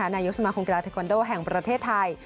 นายกสมาคมกีฬาเทควันโดแห่งประเทศไทย